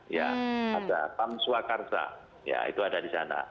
ada pam swakarsa itu ada di sana